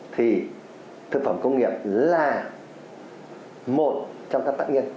thì thực phẩm công nghiệp là một trong các tác nhân